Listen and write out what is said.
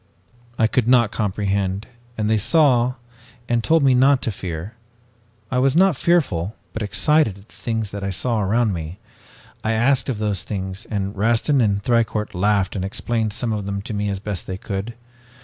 "I could not comprehend, and they saw and told me not to fear. I was not fearful, but excited at the things that I saw around me. I asked of those things and Rastin and Thicourt laughed and explained some of them to me as best they could.